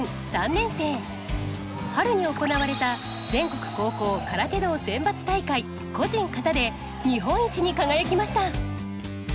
春に行われた全国高校空手道選抜大会個人形で日本一に輝きました。